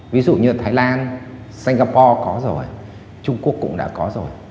ví dụ như thái lan singapore có rồi trung quốc cũng đã có rồi